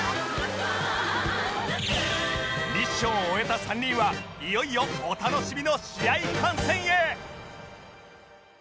ミッションを終えた３人はいよいよお楽しみの試合観戦へ